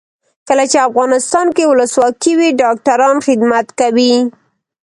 کله چې افغانستان کې ولسواکي وي ډاکټران خدمت کوي.